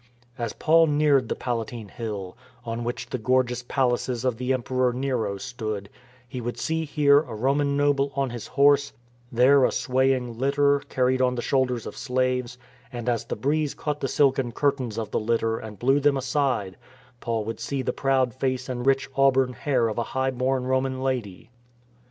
As Paul neared the Palatine Hill, on which the gor geous palaces of the Emperor Nero stood, he would see here a Roman noble on his horse, there a swaying litter, carried on the shoulders of slaves; and as the breeze caught the silken curtains of the litter, and blew them aside, Paul would see the proud face and rich auburn hair of a high born Roman lady.